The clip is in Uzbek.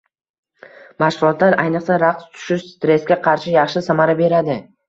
Mashg‘ulotlar, ayniqsa, raqs tushish stressga qarshi yaxshi samara beradi